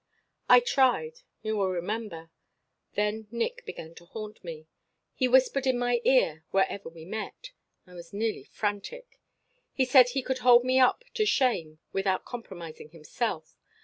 "I tried. You will remember. Then Nick began to haunt me. He whispered in my ear wherever we met. I was nearly frantic. He said he could hold me up to shame without compromising himself.